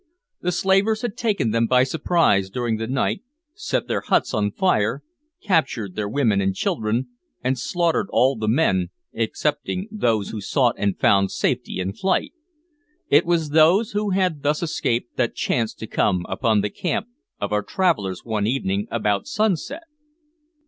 The slavers had taken them by surprise during the night, set their huts on fire, captured their women and children, and slaughtered all the men, excepting those who sought and found safety in flight. It was those who had thus escaped that chanced to come upon the camp of our travellers one evening about sunset.